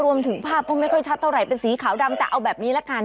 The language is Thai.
รวมถึงภาพก็ไม่ค่อยชัดเท่าไหร่เป็นสีขาวดำแต่เอาแบบนี้ละกัน